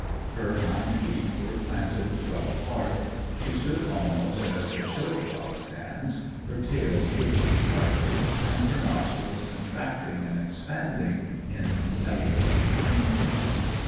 Her hind feet were planted well apart; she stood almost as a show cob stands, her tail twitching slightly, and her nostrils contracting and expanding in eloquent inquiry.